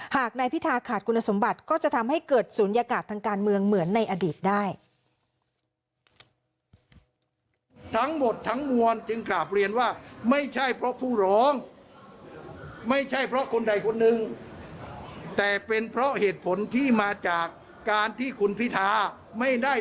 หากนายพิธาขาดคุณสมบัติก็จะทำให้เกิดศูนยากาศทางการเมืองเหมือนในอดีตได้